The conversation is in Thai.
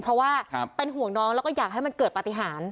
เพราะว่าเป็นห่วงน้องแล้วก็อยากให้มันเกิดปฏิหาร